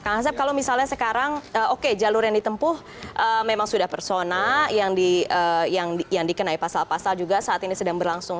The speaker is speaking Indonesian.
kang asep kalau misalnya sekarang oke jalur yang ditempuh memang sudah persona yang dikenai pasal pasal juga saat ini sedang berlangsung